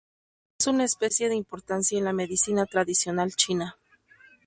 Es una especie de importancia en la medicina tradicional china.